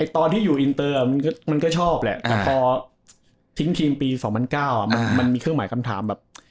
ตอนที่อยู่อินเตอร์มันก็ชอบแหละแต่พอทิ้งทีมปี๒๐๐๙มันมีเครื่องหมายคำถามแบบ